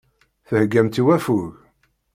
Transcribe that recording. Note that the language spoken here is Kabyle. Theggamt i waffug.